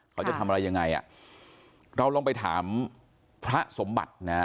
เขาจะทำอะไรยังไงเราไปถามพระสมบัตินะ